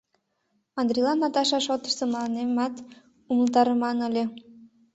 Андрейлан Наташа шотышто мыланемат умылтарыман ыле...